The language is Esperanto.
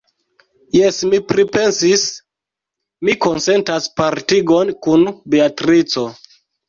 Jes, mi pripensis: mi konsentas partigon kun Beatrico.